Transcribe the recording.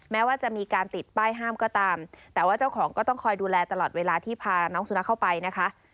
แม้ว่าจะมีการติดป้ายห้ามก็ตามแต่ว่าเจ้าของก็ต้องคอยดูแลตลอดเวลาที่พาน้องสุนัขเข้าไปนะคะ